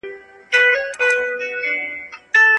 قوانین د اسلامي شریعت په رڼا کي جوړ سوي وو.